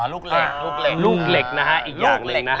ลูกเหล็กนะฮะอีกอย่างนึงนะฮะ